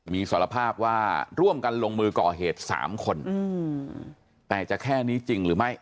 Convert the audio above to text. มีสารภาพว่าร่วมกันลงมือก่อเหตุ๓คนแต่จะแค่นี้จริงหรือไม่